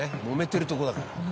もめてるとこだから。